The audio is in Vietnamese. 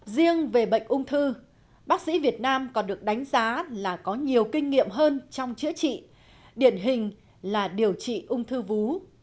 riêng về bệnh ung thư bác sĩ việt nam còn được đánh giá là có nhiều kinh nghiệm hơn trong chữa trị điển hình là điều trị ung thư vú